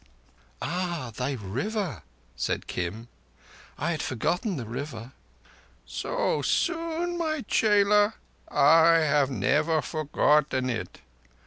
"Ah! Thy River," said Kim. "I had forgotten the River." "So soon, my chela? I have never forgotten it.